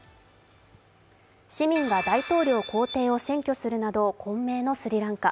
市民が大統領公邸を占拠するなど混迷のスリランカ。